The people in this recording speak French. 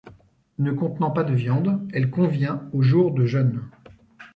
Ne contenant pas de viande, elle convient aux jours de jeûne.